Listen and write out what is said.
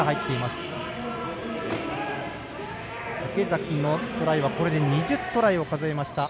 池崎のトライはこれで２０トライを数えました。